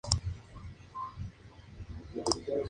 En ocasiones se muestran algo huraño con los desconocidos.